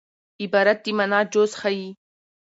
عبارت د مانا جز ښيي.